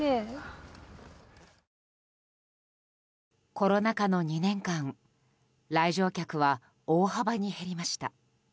コロナ禍の２年間来場客は大幅に減りました。